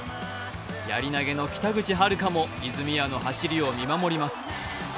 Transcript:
やり投げの北口榛花も泉谷の走りを見守ります。